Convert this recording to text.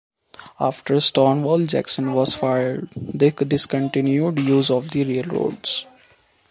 After Stonewall Jackson was fired they discontinued use of the railroads.